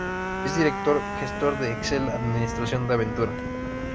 Es Director Gestor de Excel Administración de Aventura.